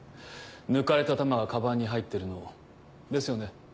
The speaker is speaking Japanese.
抜かれた弾がカバンに入ってるのを。ですよね？